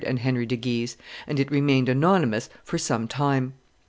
and Henry de Guise, and it remained anonymous for some time.